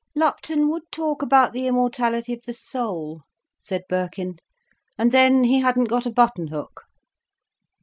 "Lupton would talk about the immortality of the soul," said Birkin, "and then he hadn't got a button hook."